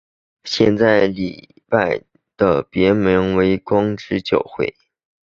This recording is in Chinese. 现在礼拜堂的别名是光之教会。